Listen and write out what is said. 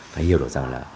phải hiểu được rằng là